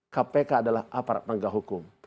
kpk adalah aparat penegak hukum